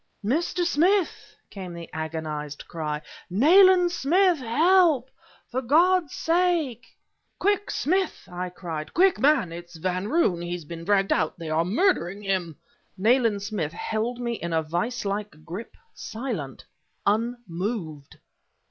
"Mr. Smith!" came the agonized cry... "Nayland Smith, help! for God's sake...." "Quick, Smith!" I cried, "quick, man! It's Van Roon he's been dragged out... they are murdering him..." Nayland Smith held me in a vise like grip, silent, unmoved!